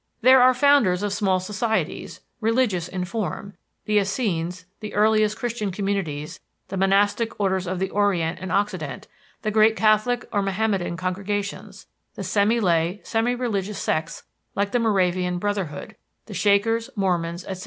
There are the founders of small societies, religious in form the Essenes, the earliest Christian communities, the monastic orders of the Orient and Occident, the great Catholic or Mohammedan congregations, the semi lay, semi religious sects like the Moravian Brotherhood, the Shakers, Mormons, etc.